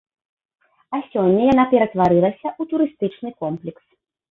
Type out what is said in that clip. А сёння яна ператварылася ў турыстычны комплекс.